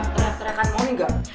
terak terakan momi gak